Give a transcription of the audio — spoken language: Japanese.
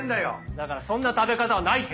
だからそんな食べ方はないって。